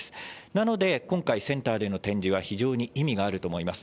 なので、今回、センターでの展示は非常に意味があると思います。